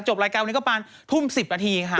รายการวันนี้ก็ประมาณทุ่ม๑๐นาทีค่ะ